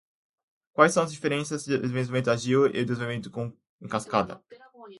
Quais as diferenças do desenvolvimento ágil e o desenvolvimento em cascata?